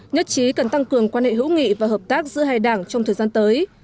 nhất trí cần tăng cường quan hệ hữu nghị và hợp tác giữa hai đảng trong thời gian tới